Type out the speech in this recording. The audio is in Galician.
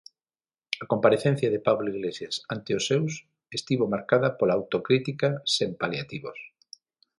A comparecencia de Pablo Iglesias ante os seus estivo marcada pola autocrítica sen paliativos.